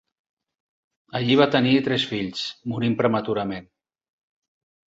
Allí va tenir tres fills, morint prematurament.